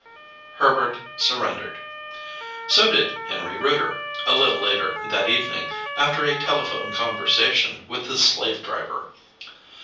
Herbert surrendered. So did Henry Rooter, a little later that evening, after a telephoned conversation with the slave driver.